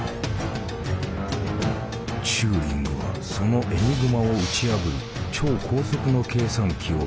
チューリングはそのエニグマを打ち破る超高速の計算機を開発。